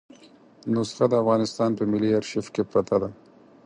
نسخه د افغانستان په ملي آرشیف کې پرته ده.